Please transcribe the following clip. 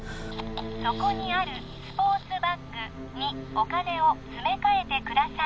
そこにあるスポーツバッグにお金を詰め替えてください